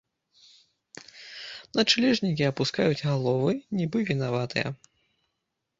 Начлежнікі апускаюць галовы, нібы вінаватыя.